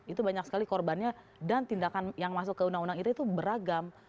itu banyak sekali korbannya dan tindakan yang masuk ke undang undang ite itu beragam